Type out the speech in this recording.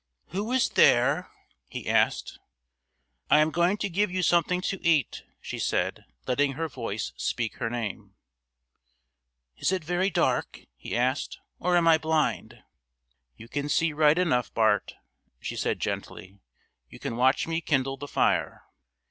"Who is there?" he asked. "I am going to give you something to eat," she said, letting her voice speak her name. "Is it very dark?" he asked, "or am I blind?" "You can see right enough, Bart," she said gently; "you can watch me kindle the fire."